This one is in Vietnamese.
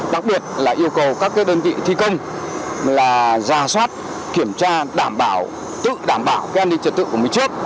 đặc biệt là yêu cầu các đơn vị thi công ra soát kiểm tra tự đảm bảo an ninh trật tự của mình trước